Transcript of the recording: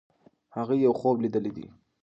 هغې یو خوب لیدلی دی.